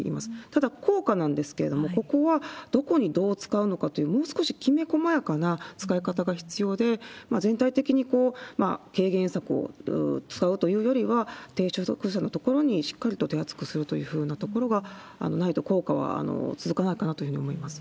ただ効果なんですけれども、ここはどこにどう使うのかという、もう少しきめ細やかな使い方が必要で、全体的に軽減策を使うというよりは、低所得者のところにしっかりと手厚くするというふうなところがないと、効果は続かないかなというふうに思います。